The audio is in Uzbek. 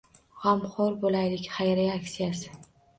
“G‘amxo‘r bo‘laylik!” xayriya aksiyasi